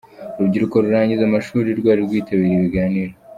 Urubyiruko rurangiza amashuri rwari rwitabiriye ibiganiro.